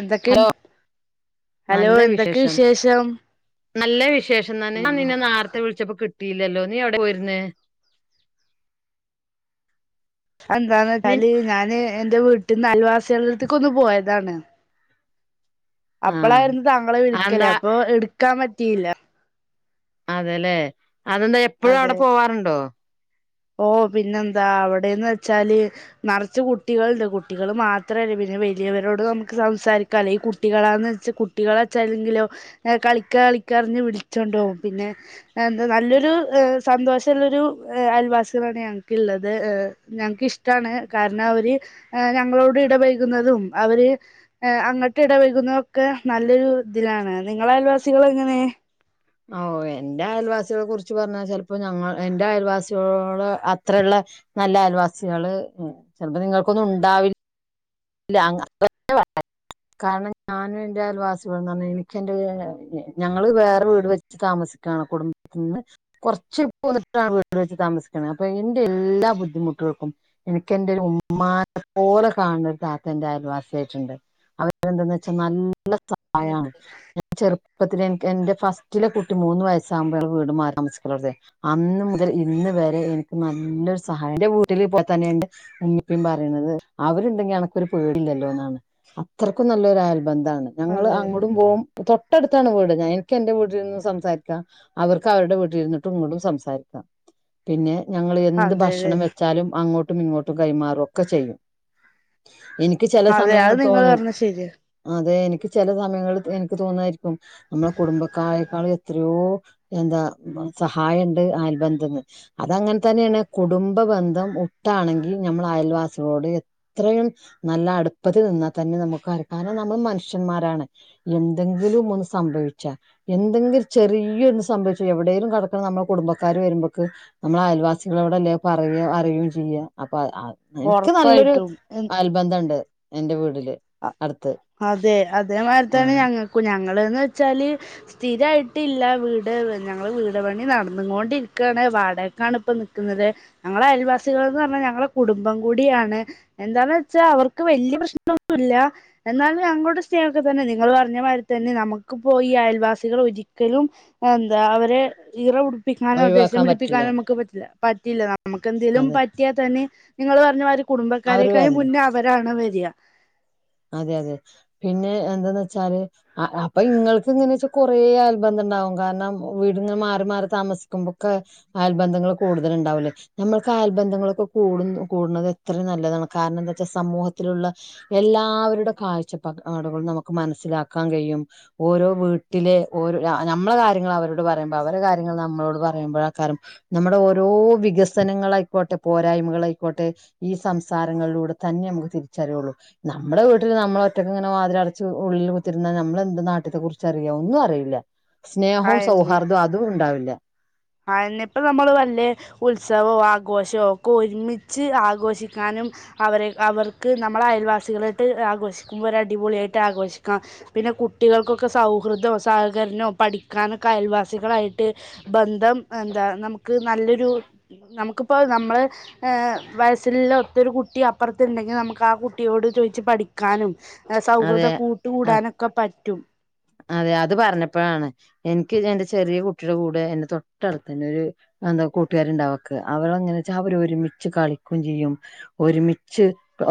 എന്തൊക്കെ hello hello നല്ല എന്തൊക്കെ വിശേഷം നല്ല വിശേഷം തന്നെ ഞാ ആഹ് നിന്നെ നേരത്തെ വിളിച്ചപ്പോ കി കുട്ടിയില്ലല്ലോ നീ എവിടെ പോയിരുന്നേ അന്തന്ന കാലി ഞനേ എന്റെ വീട്ടിൽ ന്ന് അയൽവാസികളെട്ത്ത്ക്കൊന്ന് പോയ താണ് ആഹ് അപ്പളായിരുന്നു തങ്ങളെ വിളിക്കല് അതെന്താ അപ്പൊ എട്‌ ക്കാൻ പറ്റില്ല അതെ ല്ലേ അതെന്താ എപ്പഴും അവ്ടെ അതെ പോവാറ്ണ്ടോ ഓ പിന്നെന്താ അവിടേന്ന് വെച്ചാല് നറച്ച് കുട്ടികൾണ്ട് കുട്ടികള് മാത്രല്ല പിന്നെ വലിയവരോട് നമുക്ക് സംസാരിക്കാല്ലേ ഈ കുട്ടികളാന്ന് വെച്ച കുട്ടികളെ വച്ചല്ലെങ്കിലോ കളിക്കാ കളിക്കാറ്ഞ്ഞ് വിളിച്ചണ്ടോകും പിന്നെ എന്താ നല്ലൊരു സന്തോഷ ഇള്ളരു അൽവാസ് [unintelligible] ഞങ്ങക്ക്ള്ളത് ഞങ്ങ്ക്ക് ഇഷ്ടാണ് കാര്ണം അവര് ഞങ്ങളോട് ഇടപൈകുന്നതും അവര് അങ്ങട്ട് ഇടപൈകുന്ന ഒക്കെ നല്ലൊരു ഇതിലാണ് നിങ്ങളെ അയൽവാസികൾ എങ്ങനെ ഓ എന്റെ അയൽവാസികളെ കുറിച്ച് പറഞ്ഞാ ചെലപ്പോ ഞങ്ങ ഇന്റെ അയൽവാസികളോട് അത്ര ഇള്ള നല്ല അയൽവാസികള് ചെല്പ്പ്പ നിങ്ങക്കൊന്നും ഉണ്ടാവി ഇല്ല [unintelligible] കാരണം ഞാനും ഇന്റെ അയൽവാസികളും ന്നറ് ഞ എനിക്ക് എന്റെ [unintelligible] ഞങ്ങള് വേറെ വീട് വെച്ച് താമസിക്കാണ്. കുടുംബത്തിന്ന് കൊറച്ച് [unintelligible] വീട് വെച്ച് താമസിക്ക്ണെ. അപ്പൊ എന്റെ എല്ലാ ബുദ്ധിമുട്ട്യേൾക്കും എനിക്ക് എന്റെ ഒരു ഉമ്മാനെപോലെ കാണ്നൊരു താത്ത എന്റെ അയൽവാസി ആയിട്ട്ണ്ട്. അവരെന്താന്ന് വെച്ചാ നല് ല്ല സഹായാണ് ഞൻ ചെറു ഇപ്പത്തിലെ എനിക് എന്റെ ഫസ്റ്റിലെ കുട്ടി മൂന്ന് വയസാകുമ്പോ വീട് മാറി താമസിക്കളതെ. അന്ന് മുതൽ ഇന്ന് വരെ എനിക്ക് നല്ലൊരു സഹായം. ഇന്റെ വീട്ടില് ഇപോ തന്നെ എന്റെ ഉമ്മി ഉപ്പേം പറേണത് അവര്ണ്ടെങ്കി അന ക്ക് ഒരു പേടില്ലല്ലോന്നാണ് അത്രക്കും നല്ലൊരു അയൽ ബന്ധാണ് ഞങ്ങൾ അതെ അതെ അങ്ങോടും പോവും തൊ തൊട്ടടുത്താണ് വീട് എനിക്ക് എന്റെ വീട്ടി [unintelligible] ലിൽരുന്ന് സംസാരിക്കാം അവർക്ക് അവരുടെ വീട്ടി ഇരുന്നിട്ടും ഇങ്ങടും സംസാരിക്കാം പിന്നെ ഞങ്ങൾ എന്ത് അതെ ഭക്ഷണം വെച്ചാലും അങ്ങോ ട്ടും ഇങ്ങോട്ടും കൈമാറും ഒക്കെ ചെയ്യും എനിക്ക് ചെല അതെ അത് സമയങ്ങൾ നിങ്ങൾ തോന്നും പറഞ്ഞത് ശരിയാ അതെ എനി ക്ക് ചെല സമയങ്ങളിൽ എനിക്ക് തോന്നാരിക്കും നമ്മളെ കുടുംബക്കാരെക്കാളു എത്രയോ എന്താ സഹായ ഇണ്ട് അയൽബന്ധന്ന് അതങ്ങനെ തന്നേണ് കുടുംബ ബന്ധം ഉട്ടാണെങ്കി ഞമ്മൾ അയൽവാസികളോട് ഇത്രയും നല്ല അട്പ്പത്തില് നിന്നാ തന്നെ നമുക്ക് അരക്കാനും നമ്മൾ മനുഷ്യന്മാരാണ്. എന്തെങ്കിലും ഒന്ന് സംഭവിച്ചാ എന്തെങ്കിലും ചെറിയൊന്ന് സംഭവിച്ചു എവിടേലും കടക്കണ നമ്മള കുടുംബക്കാര് വരുമ്പെക്ക് നമ്മളെ അയൽവാസികളോടല്ലേ പറയ. അറിയും ചെയ്യ. അപ്പഹ് അഹ് ഇൻക്ക് നല്ലൊരു ഒറപ്പായിട്ടും അയൽബന്ധ ഉണ്ട് എൻ്റെ വീടിൽ അ അതെ അതേമാരിത്തന്നെ ആഹ് ഞങ്ങക്കും ഞ ഞങ്ങള്ന്ന് വെച്ചാല് സ്ഥിരായിട്ടില്ല വീട് ഞങ്ങള് വീട് പണി നടന്ന്ങ്ങോണ്ടിരിക്കാണ് വാടകക്കാണ് ഇപ്പം നിക്കുന്നത് ഞങ്ങളെ അയൽവാസികൾ എന്ന് പറഞ്ഞാ ഞങ്ങള് കുടുംബം കൂടിയാണ് എന്താന്ന് വെച്ചാൽ അവർക്ക് വല്യ പ്രശ്നം- ഇല്ല എന്നാലും ഞങ്ങളോട് സ്നേഹമൊക്കെ തന്നെ നിങ്ങള് പറഞ്ഞ മാതിരി തന്നെ നമുക്ക് പോയി ഈ അയൽവാസികള് ഒരിക്കലും എന്താ അവരെ ഈറ ഉടു പ്പിക്കാനോ ദേഷ്യം ഒഴിവാക്കാൻ പറ്റില്ല പിടിപ്പിക്കാനോ നമുക്ക് പറ്റില്ല പറ്റില്ല ന നമുക്ക്എന്തേലും അതെ പറ്റിയാ തന്നെ- നിങ്ങള് പറഞ്ഞ മാതിരി- അവര് കുടുംബക്കാരെക്കായി വരണ്ടേ മുന്നേ അവരാണ് വര് ദിയ അതെ അതെ പിന്നെ എന്താന്ന് വെച്ചാല് അപ്പൊ ഇങ്ങൾക്ക് ഇങ്ങനെ വെച്ചാ കൊറെ അയൽബന്ധം ഉണ്ടാവും കാരണം വീടിങ്ങനെ മാറി മാറി താമസിക്കുമ്പോക്കെ അയൽബന്ധങ്ങൾ കൂടുതല് ഉണ്ടാവുല്ലേ ഞമ്മൾക്ക് അയൽബന്ധങ്ങളൊക്കെ കൂട് കൂടുണത് എത്രയും നല്ലതാണ് കാരണം എന്താ വെച്ചാ സമൂഹത്തിലുള്ള എല്ലാ- ആവരുടെ കാഴ്ചപ്പാക് ടുകൾ നമുക്ക് മനസ്സിലാക്കാൻ കഴിയും ഓരോ വീട്ടിലെ ഓരോ ഞമ്മളെ കാര്യങ്ങൾ അവരോട് പറയുമ്പോ അവരു കാര്യങ്ങൾ നമ്മളോട് പറയുമ്പോഴ കാറും നമ്മുടെ ഓരോ വികസനങ്ങളായിക്കോട്ടെ പോരായ്മകളായിക്കോട്ടെ ഈ സംസാരങ്ങളിലൂടെ തന്നെ നമുക്ക് തിരിച്ചറിയുള്ളൂ നമ്മുടെ വീട്ടിൽ നമ്മളെ ഒറ്റയ്ക്ക് ഇങ്ങനെ വാതിലടച്ച് ഉള്ളിൽ കുത്തിരുന്നാ നമ്മളെന്ത് നാട്ട്യത്തെ കുറിച്ചറിയോ ഒന്നു അറിയുല്ല സ്നേഹവും സൗഹാർദവും അതും ഉണ്ടാവില്ല ആ ഇനിപ്പ നമ്മൾ വല്ലേ ഉത്സവോ ആഘോഷോ ഒക്കെ ഒരുമിച്ച് ആഘോഷിക്കാനും അവരെ അവർക്ക് നമ്മൾ അയൽവാസികളായിട്ട് ആഘോഷിക്കുമ്പോൾ ഒരു അടിപൊളിയായിട്ട് ആഘോഷിക്കാം പിന്നെ കുട്ടികൾക്കൊക്കെ സൗഹൃദോ സഹകരണോ പഠിക്കാനൊക്കെ അയൽവാസികളായിട്ട് ബന് ന്ധം എന്താ നമു ക്ക് നല്ലൊരു നമുക്ക് ഇപ്പൊ നമ്മള്എ വയസ്സിലുള്ള ഒത്തൊരു കുട്ടി അപ്പുറത്തുണ്ടെങ്കി നമുക്ക് ആ കുട്ടിയോട് ചോദിച്ചു പഠിക്കാനും അതെ സൗഹൃദം അ കൂട്ടുകൂടാനൊക്കെ പറ്റും അതെ അത് പറഞ്ഞപ്പോഴാണ് എ എൻക് എന്റെചെറിയകുട്ടിയുടെകൂടെഎന്റെതൊട്ടടുത്തന്നെഒരുഎന്താകൂട്ടുകാരുണ്ടാവക്ക്അവരങ്ങനെ വെച്ചാ അവര്ഒരുമിച്ച് കളിക്കും ചെയ്യും ഒരുമിച്ച്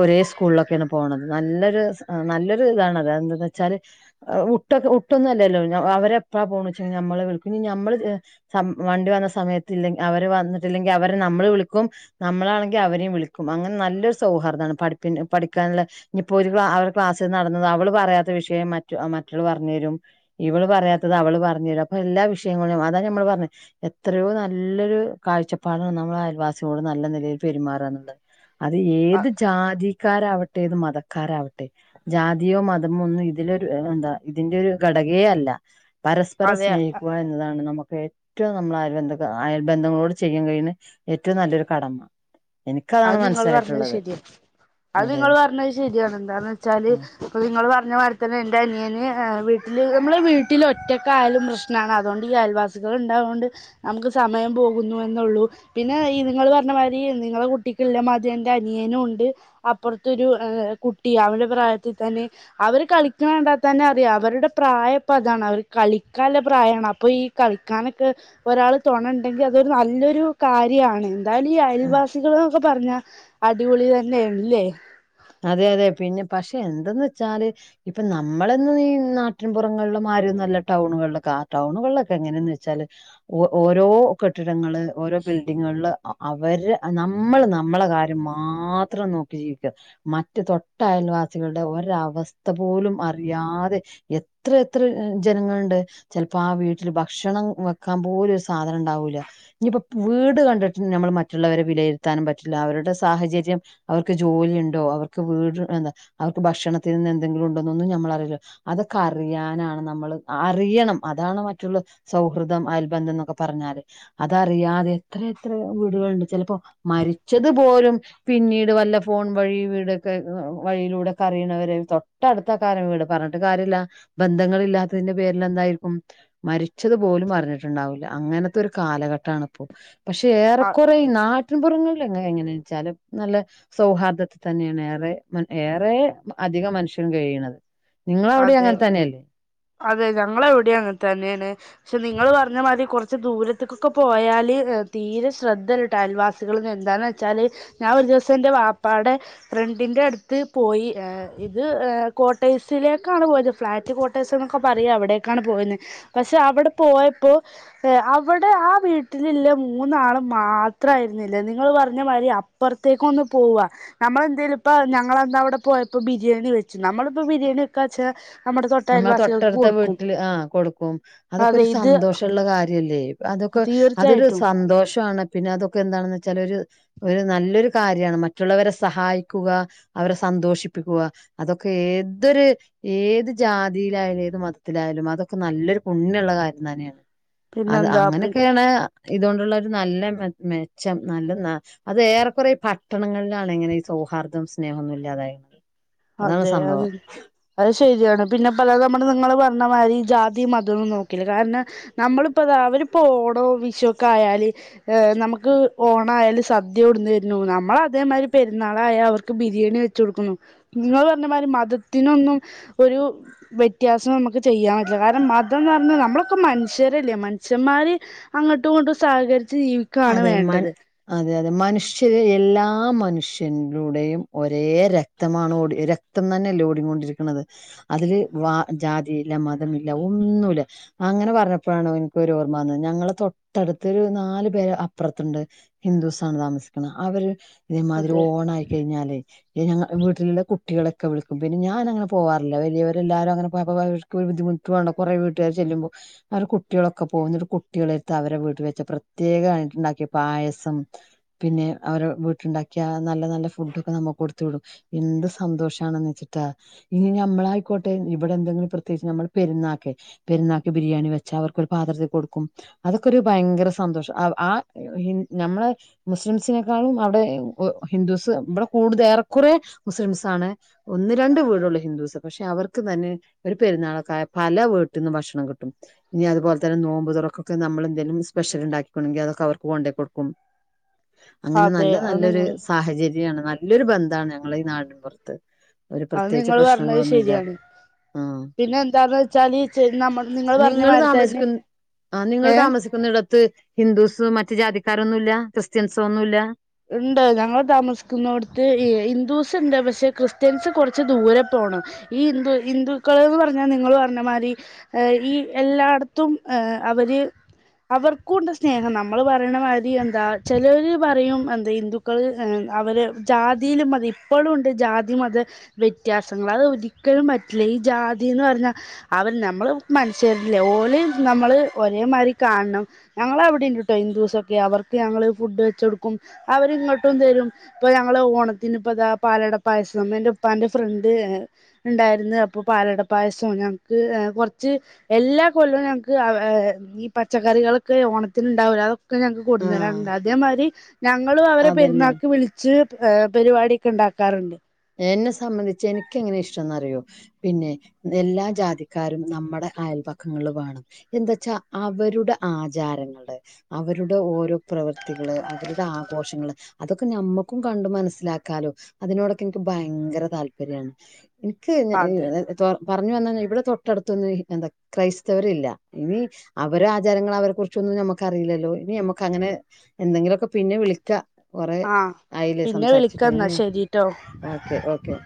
ഒരേ സ്കൂളിലൊക്കെയാണ് പോണത് നല്ലൊരു ആനല്ലൊരുഇതാണത്എന്താവച്ചാല് അഉട്ടോക് ഒട്ടൊന്നും അല്ലല്ലോ അവരെഎപ്പഴാപോണച്ച നമ്മളെ വിളിക്കും ഇനി നമ്മൾ എ സ വണ്ടിവന്ന സമയത്ത്ല്ലെങ്ക്‌ അവര് വന്നിട്ടില്ലെങ്കിൽ അവരെനമ്മള് വിളിക്കുംനമ്മളാണെങ്കിഅവരെയുംവിളിക്കുംഅങ്ങനെനല്ലൊരു സൗഹാർദ്ദണ് പഠിപ്പിന്റെ പഠിക്കാനുള്ള ഇനിപ്പോരിക്കും അവർ ക്ലാസ് നടന്നത് അവള് പറയാത്ത വിഷയം മറ്റ മറ്റള് പറഞ് തരും ഇവള് പറയാത്തത് അവള് പറഞ്ഞു തരും അപ്പൊ എല്ലാ വിഷയങ്ങളും അതാണ് നമ്മള് പറഞ്ഞെ എത്രയോ നല്ലൊരു കാഴ്ചപ്പാടാണ് നമ്മൾ അയൽവാസിയോട് നല്ല നിലയിൽ പെരുമാറ എന്നുള്ളത് അത് ഏത് ജാതി കാരാവട്ടെ ഇത് മതക്കാരാവട്ടെ ജാതിയോ മതമോ ഒന്നും ഇതിലൊരു എന്താ ഇതിന്റെ ഒരു ഘടകേ അല്ല പരസ്പരം അതെ സ്നേഹിക്കുക എന്നതാണ് നമുക്ക് ഏറ്റവും നമ്മൾ അയൽ ബന്ധ അയൽ ബന്ധങ്ങളോട് ചെയ്യൻ കഴിഞ്ഞഞ് ഏറ്റവും നല്ലൊരു കടമ അത് എനിക്കതാണ് നിങ്ങൾ പറഞ്ഞത് മനസ്സിലായിട്ടുള്ളത് ശരിയാണ് അത് അതെ നിങ്ങ പറഞ്ഞത് ശരിയാണ് എന്താ കര്ന വെച്ചാല് നിങ്ങള് പറ [unintelligible] എൻ്റെഅനിയൻവീട്ടില് നമ്മുലൊരു വീട്ടില് ഒറ്റക്കായാലുംപ്രശ്നണ്അതുകൊണ്ട്ഈയൽവാസികൾഇണ്ടായോണ്ട് നമുക്ക് സമയം പോകുന്നു എന്നുള്ളു പിന്നെ ഈ നിങ്ങൾ പറഞ്ഞ മാതിരി നിങ്ങളെകുട് ട്ടിക്ള്ളമാതിം, എന്റെഅനിയേനുംഉണ്ട്അപ്പുറത്തൊരുഎ കുട്ടിഅവടെപ്രായത്തിൽതന്നെഅവര്കളിക്കണണ്ടാതന്നെഅറിയാംഅവരുടെപ്രായംഇപ്പൊഅതാണ്അവർകളിക്കല്ലപ്രായണ്അപ്പൊഈകളിക്കാനൊക്കെ ഒരാള് തോണണ്ടെങ്കി അതൊരു നല്ലൊരു കാര്യാണ് ദാലി ആ അയൽവാസികളും ക്കെ പറഞ്ഞ അടിപൊളി തന്നെയണ് ല്ലേ? അതെ അതെ പിന്നെ പക്ഷെ എന്തെന്ന്ച്ചാല് ഇപം നമ്മളന്ന ഈ നാട്ടിൻ പുറങ്ങളിൽ മാരി ഒന്നല്ല ടൗണുകളിലൊക്കെ ആ ടൗണുകളിലൊക്കെ എങ്ങനെന്ന് വെച്ചാല് ഓ ഓരോകെട്ടിടങ്ങള്ഓരോബിൽഡിങ്ങില് അവര്അ നമ്മള് നമ്മളെ കാര്യം മാത്രം നോക്കി ജീവി ക്യ മറ്റ തൊട്ട അയൽവാസികളുടെ ഒരവസ്ഥ പോലും അറിയാതെ എത്ര എത്ര ജനങ്ങളുണ്ട് ചിലപ്പോ ആ വീട്ടിൽ ഭക്ഷണം വെക്കാൻ പോലും ഒരു സാധനം ഇണ്ടാവൂല്ല ഇനിയിപ്പോ വീട് കണ്ടിട്ട് നമ്മൾ മറ്റുള്ളവരെ വിലയിരുത്താനും പറ്റില്ല അവരുടെ സാഹചര്യം അവർക്ക് ജോലിയ ഇണ്ട ട്ടൊ അവർക്ക് വീട് എന്താ അവർക്ക് ഭക്ഷണത്തിൽ നിന്ന് എന്തെങ്കിലും ഉണ്ടോ ഒന്നും ഞമ്മൾ അറിയില്ല അതൊക്കറിയാനാണ് നമ്മള് അറിയണം അതാണ് മറ്റുള്ള സൗഹൃദ ന്ധം അയൽ ബന്ധം എന്നൊ പറഞ്ഞാല് അതറിയാതെ എത്ര എത്ര വീടുകള്ണ്ട് ചിലപ്പോ മരിച്ചത് പോലും പിന്നീട് വല്ല ഫോൺ വഴി വീടൊക്കെ വഴിയിലൂടെ ഒക്കെ അറിയണവര് തൊട്ടടുത്ത കാരം വീട് പറഞ്ഞിട്ട് കാര്യമില്ല ബന്ധങ്ങൾ ഇില്ലാത്തതിന്റെ പേരില എന്തായിരിക്കും മരിച്ചത്പോലും അറിഞ്ഞിട്ടുണ്ടാവില്ല അങ്ങനത്തെ ഒരു കാലഘട്ടാണിപ്പോ പക്ഷെ അ ഏറെക്കുറെഈ നാട് ട്ടിൻ പുറങ്ങളിലെങ്ങെ ഇങ്ങനെ വെച്ചാലും നല്ല സൗഹാർദ തന്നെയാണ് ഏറെ ഏറെ അധികം മനുഷ്യൻ കഴിയണത് നിങ്ങളവിടെ അതെ അങ്ങനെ തന്നെയല്ലേ അതെ ഞങ്ങള ഇവിടെ അങ്ങന തന്നെ ണ് പക്ഷെ നി നിങ്ങൾ പറഞ്ഞ മാതി കുറച്ച് ദൂരത്തേക്കൊക്കെ പോയാൽ തീരെ ശ്രദ്ധൽട്ടാ അയൽവാസികൾ എന്താന്ന് വെച്ചാൽ ഞാൻ ഒരു ദിവസം എൻറെ വാപ്പാടെ ഫ്രണ്ടിൻന്റെറെ അടുത്ത് പോയി ഇത് കോട്ടയ ത്തിലേക്കാണ് പോയത് ഫ്ലാറ്റ് കോട്ടേഴ്സ് എന്നൊക്കെ പറയാ അവിടേക്കാണ് പോയുന്നത് പക്ഷെ അവിടെ പോയപ്പോ അവിടെ ആ വീട്ടിലുള്ള മൂന്നാള് മാത്രയിരുന്നില്ല നിങ്ങൾ പറഞ്ഞ മാതിരി അപ്പുറത്തേക്കൊന്ന് പോവാ നമ്മളെന്തേലും ഇപ്പ ഞങ്ങെന്താ അവിടെ പോയപ്പോ ബിരിയാണി വെച്ചു നമ്മളിപ്പോ ബിരിയാ ണിക്കാച്ചാ നമ്മൾ തൊട്ടടുത്ത വീട്ടില് ആ കൊടുക്കും അതൊക്കെ അതെ ഒരു ഇത് സന്തോഷള്ള കാര്യല്ലേ അതൊക്കെ അതൊരു തീർച്ചയായിട്ടും സന്തോഷ ആണ് പിന്നെ അതൊക്കെ എന്താണെന്ന് വെച്ചാൽ ഒരു ഒരുനല്ലൊരു കാര്യണ് മറ്റുള്ളവരെ സഹായിക്കുക അവരെ സന്തോഷിപ്പിക്കുക അതൊക്കെ ഏതൊരു ഏത് ജാതിയിലായാലും ഏത് മതത്തിലായാലും അതൊക്കെ നല്ലൊരു പുണ്യള്ള കാര്യം തന്നെയാണ് അത് പിന്നെന്താ പി അങ്ങനെയൊക്കെയാണ് ഇതോണ്ടുള്ള നല്ല മെച്ചം നല്ല അത് എറെക്കുറെഈ പട്ടണങ്ങളിലാണ് എങ്ങനെ ഈ സൗഹാർദം സ്നേഹമൊന്നും ഇല്ലാതായിത് അതെ അത് അത് ശരിയാണ് പിന്നെ പലതും നമ്മള് നിങ്ങള് പറഞ്ഞമാതിരി ജാതിമതൊന്നും നോക്കില്ല കാരണം നമ്മളിപ്പോത അവരിപ്പോ ഓണോ വിഷു ഒക്കെ ആയാല് ഏ നമുക്ക് ഓണ ആയാല് സദ്യ കൊട്ന്നെര്ന്നു നമ്മൾ അതേമാതിരി പെരുന്നാളായൽ അവർക്ക് ബിരിയാണി വെച്ച് കൊടുക്കുന്നു നിങ്ങൾ പറഞ്ഞമാരി മതത്തിനൊന്നും ഒരു വ്യത്യാസം നമുക്ക് ചെയ്യാൻ പറ്റില്ല കാരണം മതംന്ന് പറഞ്ഞ നമ്മളൊക്കെ മനുഷ്യരല്ലേ മനുഷ്യന്മാര് അങ്ങോട്ടും ഇങ്ങോട്ടും സഹകരി അതെ മൻ അതെ അതെ മനുഷ്യ ശര് എല്ലാ മനുഷ്യൻൂടെയും ഒരേ രക്തമാണ് ഓടി രക്തം തന്നെയല്ലേ ഓടിക്കൊണ്ടിരിക്ക്ണത് അതിൽ വ ജാതിയില്ല മതമില്ല ഒന്നല അങ്ങനെ പറഞ്ഞപ്പോഴാണ് ഇൻക്കൊരു ഓർമ്മാന്നത് ഞങ്ങളെ തൊട്ടടുത്തൊരു നാല് പെര അപ്പുറത്തുണ്ട് ഹിന്ദൂസാണ് താമസിക്കണത് അവര് ഇതേമാതിരി അതെ ഓണ ആയി കഴിഞ്ഞാല് ഞങ്ങളെ വീട്ടിലുള്ള കു കുട്ടികളൊക്കെ വിളിക്കും പിന്നെ ഞാനങ്ങനെ പോവാറില്ല വലിയവരെല്ലാരും അങ്ങനെ പോയാപ്പോ അവര്ക്ക് ബുദ്ധിമുട്ടു ആണ് കൊറേ വീട്ടുകാര് ചെല്ലുമ്പോ അവർ കുട്ടിട്ട്യോളൊക്കെ പോകും ന്നിട്ട് കുട്ട്യാളര്ത്ത് അവരെ വീട്ടില് വെച്ച പ്രത്യേകായിട്ട് ഉണ്ടാക്കിയ പായസം പിന്നെ അവരെ വീട്ടിലുണ്ടാക്കിയ നല്ല നല്ല ഫുഡ് ഒക്കെ നമ്മുക്ക് കൊടുത്തു വിടും എന്ത് സന്തോഷമാണെന്ന് വെച്ചിട്ടാ ഇനി നമ്മളായിക്കോട്ടെ ഇവിടെ എന്തെങ്കിലും പ്രത്യേകിച്ച് നമ്മൾ പെരുന്നാക്കെ പെരുന്നാക്ക് ബിരിയാണി വെച്ചാ അവർക്കൊരു പാത്രത്തി കൊടുക്കും അതൊക്കെ ഒരു ഭയങ്കര സന്തോഷം അവ ആ അയ്യേ ഹിൻ നമ്മളെ മുസ്ലിംസിനെക്കാളും അവിടെ ഇ ഒ ഹിന്ദൂസ് ബടെ കൂടുതൽ ഏറെക്കുറേ മുസ്ലിംസ് ആണ് ഒന്ന് രണ്ട് വീടുള്ളു ഹിന്ദൂസ് പക്ഷേ അവർക്ക് തന്നെ ഒരു പെുന്നാളൊക്കായ പല വീട്ടിന്ന് ഭക്ഷണം കിട്ടും ഇനി അതുപോലെ തന്നെ നോമ്പ് തുറക്കൊക്കെ നമ്മളെന്തെങ്കിലും സ്പെഷ്യൽ ഉണ്ടാക്കിക്ക്ണെങ്കി അത് കൊണ്ടേ കൊടുക്കും അങ്ങനെ അതെ നല്ല അത് നല്ലൊരു നിങ്ങൾ സാഹചര്യം ചര്യം നല്ലൊരു ബന്ധാണ് ഞങ്ങളെ ഈ നാട്ടും പൊർത്ത് അത് നിങ്ങള് പറഞ്ഞത് ശരിയാണ് ആഹ് പിന്നെ എന്താന്ന് വെച്ചാല് നമ്മൾ നിങ്ങള് പറഞ്ഞ മാതിരിതന്നെ ഏ ത് ഹിന്ദൂസ് മറ്റ മറ്റ് ജാതിക്കാരൊന്നും ഇല്ല്യ ക്രിസ്ത്യൻസോ ഒന്നും ഇല്ല്യ ഇണ്ട് ഞങ്ങൾ താമസിക്കുന്നോട്ത്ത് ഈ ഹിന്ദൂസ്ണ്ട് പക്ഷേ ക്രിസ്ത്യൻസ് കുറച്ച് ദൂരെ പോണം ഈ ഹിന്ദു ഹിന്ദുക്കൾന്ന് പറഞ്ഞാൽ നിങ്ങള് പറഞ്ഞ മാതിരി ഈ എല്ലായിടത്തും ഏ അവര് അവർക്കും ഉണ്ട് സ്നേഹം നമ്മള് പറയ്ണ മാതിരി എന്താ ചെലര് പറയും എന്താ ഹിന്ദുക്കള് എ അവര് ജാതിയിലും മതം ഇപ്പോളും ഉണ്ട് ജാതി മത വ്യത്യാസങ്ങള് അത് ഒരിക്കലും പറ്റില്ല ഈ ജാതിന്ന് പറഞ്ഞാ അവർ നമ്മള് മനുഷ്യരല്ലേ ഓല് നമ്മള് ഒരേമാതിരി കാണണം ഞങ്ങളളവിടീം ഉണ്ട്ട്ടോ ഹിന്ദുസൊക്കെ അവർക്ക് ഞങ്ങള് ഫുഡ് വെച്ചൊടുക്കും അവരിങ്ങട്ടും തരും ഇപ്പൊ ഞങ്ങള് ഓണത്തിന് ഇപ്പതാ പാലട പായസം എൻ്റെ ഉപ്പാന്റെ ഫ്രണ്ട് ഉണ്ടായിരുന്നു അപ്പൊ പാലടപ്പായസം ഞങ്ങക്ക് കൊർച്ച് എല്ലാ കൊല്ലും ഞങ്ങക്ക് ആ ഏ ഈ പച്ചക്കറികളൊക്കെ ഓണത്തിന് ഉണ്ടാവൂലെ അ ഒക്കെ ഞങ്ങക്ക് കൊണ്ടു ആഹ് തരാറുണ്ട് അതേമാതിരി ഞങ്ങളും അവരെ അതന്നെ പെരുന്നാക്ക് വിളിച്ച് ഏ പരിപാടി ഒക്കെ ഉണ്ടാക്കാറുണ്ട് എന്നെ സംബന്ധിച്ച് എനിക്ക് എങ്ങനെ ഇഷ്ടംന്നറിയോ പിന്നെ എല്ലാ ജാതിക്കാരും നമ്മുടെ അയൽപക്കങ്ങളില് വേണം എന്താ വച്ചാ അവരുടെ ആചാരങ്ങള് അവരുടെ ഓരോ പ്രവർത്തി വ്യക്തികള് അവരുടെ ആഘോഷങ്ങള് അതൊക്കെ ഞമ്മക്കും കണ്ടു മനസ്സിലാക്കാലോ അതിനോടൊ എനിക്ക് ഭയങ്കര താല്പര്യാണ് എനിക്ക് അത് [unintelligible] പറഞ്ഞു വന്ന ഇവിടെ തൊട്ടടുത്തൊന്നും എന്താ ക്രൈസ്തവര്ല്ല ഇനി അവരെ ആചാരങ്ങൾ അവരെ കുറിച്ചൊന്നും നമ്മക്കറിയില്ലല്ലോ ഇനി ഞമ്മക്ക് അങ്ങനെ എന്തെങ്കിലുമൊക്കെ പിന്നെ വിളിക്കാ ആഹപിന്നെ വിളിക്കന്നാ ശരിട്ടോ ക്കെ ഓക്കെ